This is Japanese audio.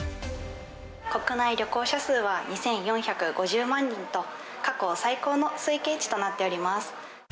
国内旅行者数は２４５０万人と、過去最高の推計値となっております。